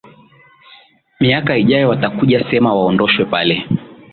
miaka ijao watakuja sema waondoshwe pale